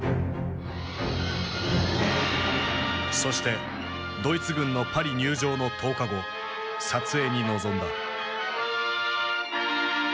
そしてドイツ軍のパリ入城の１０日後撮影に臨んだ。